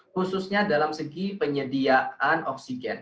khususnya dalam segi penyediaan oksigen